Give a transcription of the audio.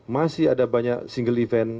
masih ada banyak single event